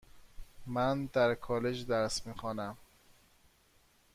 من در کالج درس میخوانم.